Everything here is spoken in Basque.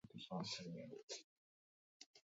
Horrez gain, langabezia-tasak goraka jarraituko du.